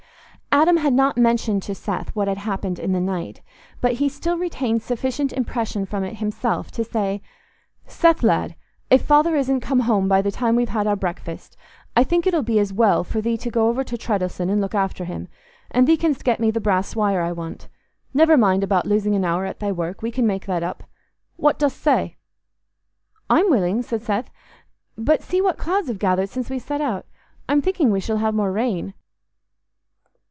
Adam had not mentioned to Seth what had happened in the night, but he still retained sufficient impression from it himself to say, "Seth, lad, if Father isn't come home by the time we've had our breakfast, I think it'll be as well for thee to go over to Treddles'on and look after him, and thee canst get me the brass wire I want. Never mind about losing an hour at thy work; we can make that up. What dost say?" "I'm willing," said Seth. "But see what clouds have gathered since we set out. I'm thinking we shall have more rain.